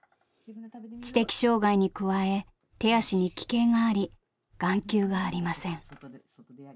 知的障害に加え手足に奇形があり眼球がありません。